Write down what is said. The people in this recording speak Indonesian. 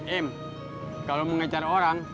im kalau mau ngejar orang